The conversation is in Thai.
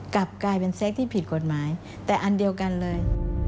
กลับกลายเป็นเซ็กที่ผิดกฎหมายแต่อันเดียวกันเลย